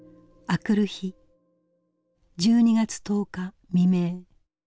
明くる日１２月１０日未明。